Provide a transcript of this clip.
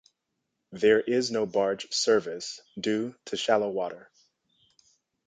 There is no barge service due to shallow water.